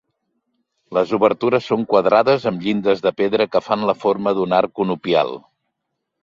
Les obertures són quadrades amb llindes de pedra que fan la forma d'un arc conopial.